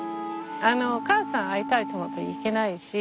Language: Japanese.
お母さん会いたいと思ってもいけないし